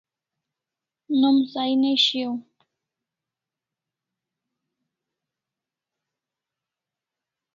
Nom sahi ne shiau